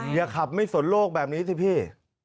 อย่าขับไม่สนโลกแบบนี้สิพี่